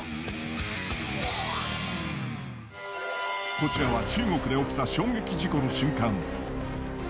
こちらは中国で起きた衝撃事故の瞬間。